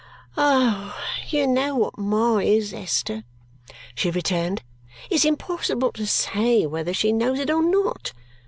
"Oh! You know what Ma is, Esther," she returned. "It's impossible to say whether she knows it or not.